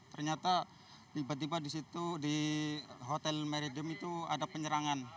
ternyata tiba tiba di situ di hotel meridim itu ada penyerangan